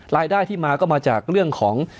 รายได้ที่มาก็มาจากเรื่องของ